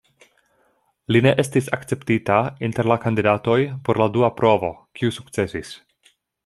Li ne estis akceptita inter la kandidatoj por la dua provo, kiu sukcesis.